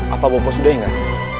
apa bopo sudah ingat